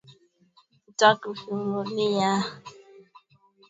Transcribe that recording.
Husambazwa pale mnyama mmoja mzima kiafya anapogusana na mwingine mgonjwa